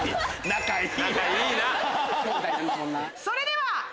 それでは。